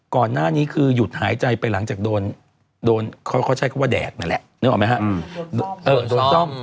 ก่อนหน้านี้คือหยุดหายใจไปหลังจากโดนเขาใช้คำว่าแดดนั่นแหละนึกออกไหมครับ